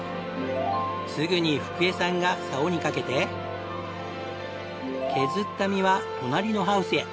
すぐにフクエさんが竿にかけて削った実は隣のハウスへ。